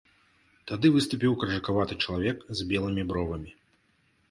Тады выступіў каржакаваты чалавек з белымі бровамі.